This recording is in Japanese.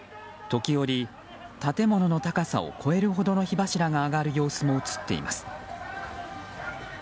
時折、建物の高さを超えるほどの火柱が上がる様子も映っています。